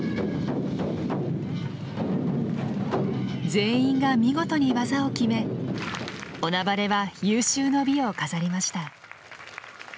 全員が見事に技を決めおなばれは有終の美を飾りました。